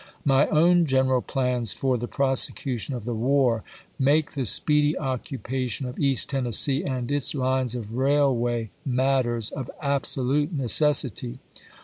My own general plans for the prosecution of the war make the speedy occupation of East Tennessee and its lines of railway matters of absolute neces sity.